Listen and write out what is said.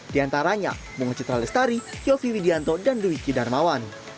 diantaranya bunga citralestari yofi widianto dan dwi ki darmawan